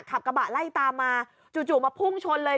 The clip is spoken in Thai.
ขับกระบะไล่ตามมาจู่มาพุ่งชนเลย